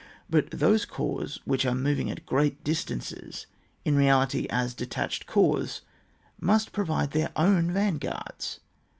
But those corps which are moving at great distances, in reality as detached corps, muBt provide their own van guards.